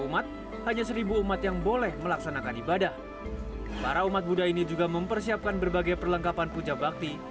mereka juga mempersiapkan berbagai perlengkapan puja bakti